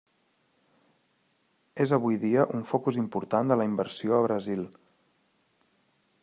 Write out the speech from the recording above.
És avui dia un focus important de la inversió a Brasil.